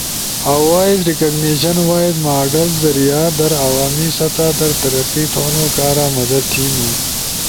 اؤ وائس ریکگنیشن وائس ماڈلز ذریعہ در عوامی سطح در ترقی تھونو کارا مدد تھینو۔